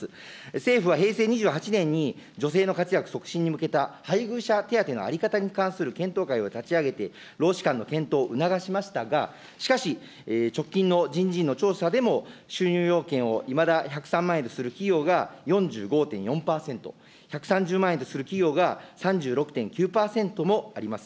政府は平成２８年に、女性の活躍促進に向けた配偶者手当のあり方に関する検討会を立ち上げて、労使間の検討を促しましたが、しかし、直近の人事院の調査でも、収入要件をいまだ１０３万円とする企業が４５．４％、１３０万円とする企業が３６．９％もあります。